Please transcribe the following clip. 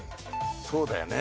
そうだよね。